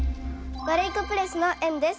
ワルイコプレスのえんです。